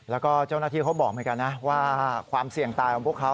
แล้วก็เจ้าหน้าที่เขาบอกเหมือนกันนะว่าความเสี่ยงตายของพวกเขา